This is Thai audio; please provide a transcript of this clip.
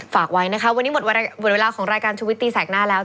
ฝากไว้นะคะวันนี้หมดเวลาของรายการชุวิตตีแสกหน้าแล้ว